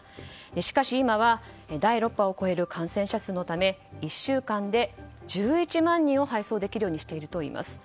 しかし今は、第６波を超える感染者数のため１週間で１１万人分を配送できるようにしているといいます。